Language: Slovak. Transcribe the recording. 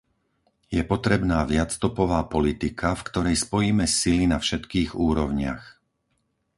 Je potrebná viacstopová politika, v ktorej spojíme sily na všetkých úrovniach.